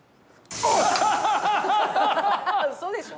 ウソでしょ！？